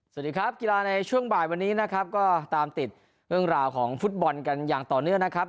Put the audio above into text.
สวัสดีครับกีฬาในช่วงบ่ายวันนี้นะครับก็ตามติดเรื่องราวของฟุตบอลกันอย่างต่อเนื่องนะครับ